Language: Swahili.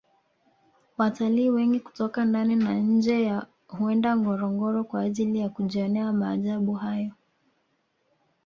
watalii wengi kutoka ndani na nje huenda ngorongoro kwa ajili ya kujionea maajabu hayo